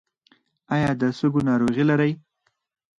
ایا د سږو ناروغي لرئ؟